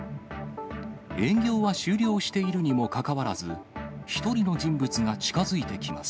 営業は終了しているにもかかわらず、１人の人物が近づいてきます。